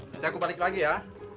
nanti aku balik lagi ya